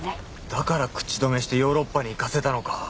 だから口止めしてヨーロッパに行かせたのか。